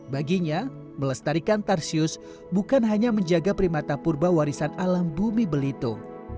baginya melestarikan tarsius bukan hanya menjaga primata purba warisan alam bumi belitung